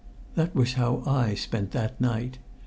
That was how I spent that night.